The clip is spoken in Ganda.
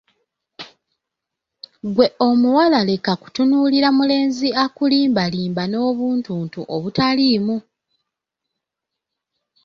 Ggwe omuwala leka kutunuulira mulenzi akulimbalimba n'obuntuntu obutaliimu!